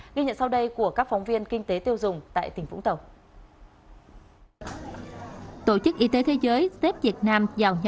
nghe nhận sau đây của các phóng viên kinh tế tiêu dùng tại tỉnh vũng tàu